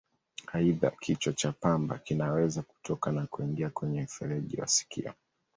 Aidha, kichwa cha pamba kinaweza kutoka na kuingia kwenye mfereji wa sikio.